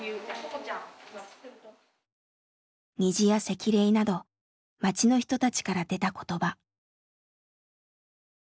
「虹」や「せきれい」など町の人たちから出た言葉。